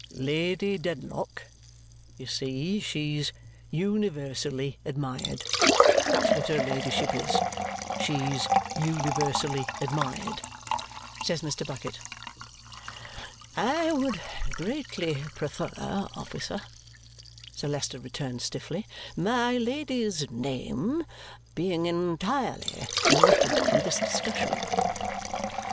"Lady Dedlock, you see she's universally admired. That's what her ladyship is; she's universally admired," says Mr. Bucket. "I would greatly prefer, officer," Sir Leicester returns stiffly, "my Lady's name being entirely omitted from this discussion."